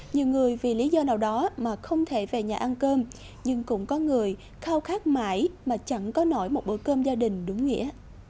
nhiều người vì lý do nào đó mà không thể về nhà ăn cơm nhưng cũng có người khao khát mãi mà chẳng có nổi một bữa cơm gia đình đúng nghĩa